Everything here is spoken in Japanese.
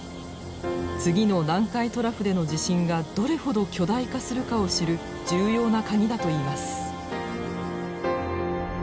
次の南海トラフでの地震がどれほど巨大化するかを知る重要なカギだといいます。